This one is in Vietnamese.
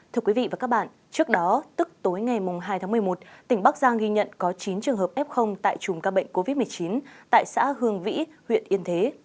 thưa quý vị và các bạn trước đó tức tối ngày hai tháng một mươi một tỉnh bắc giang ghi nhận có chín trường hợp f tại chùm ca bệnh covid một mươi chín tại xã hương vĩ huyện yên thế